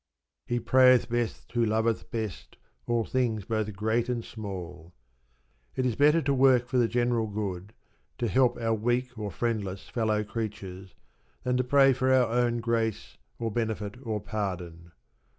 "He prayeth best who loveth best all things both great and small." It is better to work for the general good, to help our weak or friendless fellow creatures, than to pray for our own grace, or benefit, or pardon.